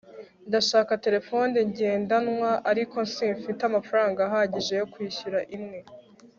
ndashaka terefone ngendanwa, ariko simfite amafaranga ahagije yo kwishyura imwe